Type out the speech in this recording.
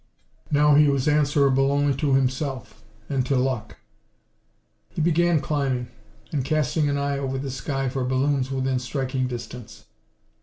Now he was answerable only to himself and to Luck! He began climbing, and casting an eye over the sky for balloons within striking distance.